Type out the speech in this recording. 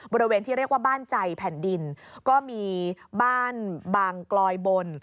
บริเวณที่เรียกว่าบ้านใจแผ่นดินก็มีบ้านบางกลอยบน